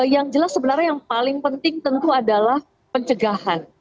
yang jelas sebenarnya yang paling penting tentu adalah pencegahan